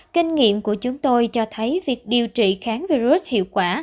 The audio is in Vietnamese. kinh nghiệm của chúng tôi cho thấy việc điều trị kháng virus hiệu quả